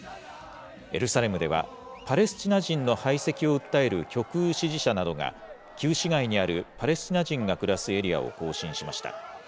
エルサレムでは、パレスチナ人の排斥を訴える極右支持者などが旧市街にあるパレスチナ人が暮らすエリアを行進しました。